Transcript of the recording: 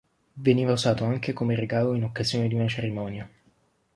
Veniva usato anche come regalo in occasione di una cerimonia